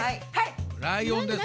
ライオンです。